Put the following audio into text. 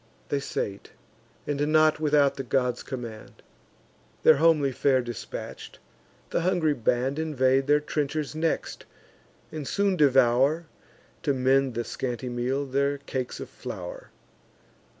They sate; and, (not without the god's command,) Their homely fare dispatch'd, the hungry band Invade their trenchers next, and soon devour, To mend the scanty meal, their cakes of flour.